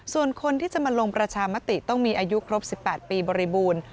ส่วนคนที่จะมาลงประชามติต้องมีอายุครบ๑๘ปีบริบูรณ์